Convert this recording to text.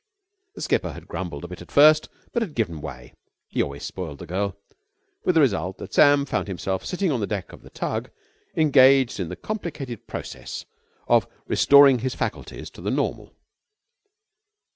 The skipper had grumbled a bit at first, but had given way he always spoiled the girl with the result that Sam found himself sitting on the deck of the tug engaged in the complicated process of restoring his faculties to the normal.